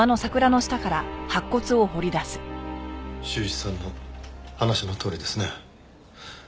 柊一さんの話のとおりですね。